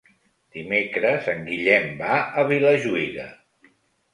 Dimecres en Guillem va a Vilajuïga.